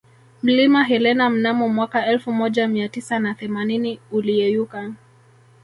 Mlima Helena mnamo mwaka elfu moja miatisa na themanini uliyeyuka